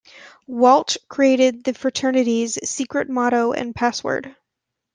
Walch created the fraternity's secret motto and password.